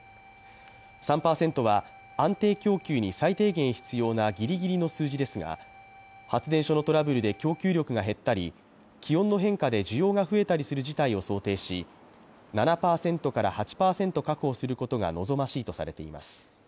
３％は安定供給に最低限必要なギリギリの数字ですが、発電所のトラブルで供給力が減ったり、気温の変化で需要が増えたりする事態を想定し７％から８％確保することが望ましいとされています。